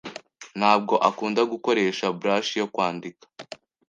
Ntabwo akunda gukoresha brush yo kwandika.